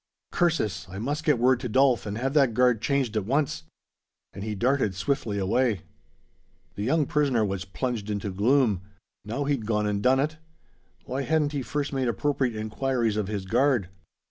Curses! I must get word to Dolf, and have that guard changed at once." And he darted swiftly away. The young prisoner was plunged into gloom. Now he'd gone and done it! Why hadn't he first made appropriate inquiries of his guard?